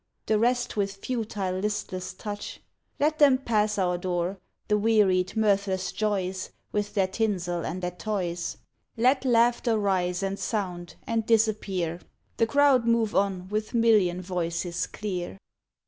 The rest with futile, listless touch? Let them pass our door, The wearied, mirthless joys With their tinsel and their toys. Let laughter rise and sound and disappear; The crowd move on with million voices clear.